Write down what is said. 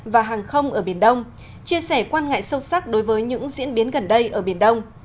và hàng không ở biển đông chia sẻ quan ngại sâu sắc đối với những diễn biến gần đây ở biển đông